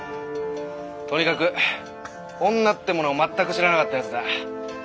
とにかく女ってものを全く知らなかったやつだ。